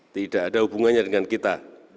tidak ada hubungannya dengan kita